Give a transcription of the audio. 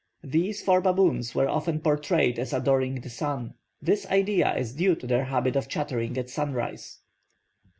These four baboons were often portrayed as adoring the sun; this idea is due to their habit of chattering at sunrise.